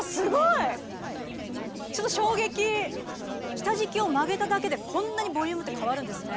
下敷きを曲げただけでこんなにボリュームって変わるんですね。